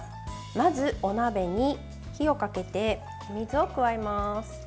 まず、お鍋に火をかけて水を加えます。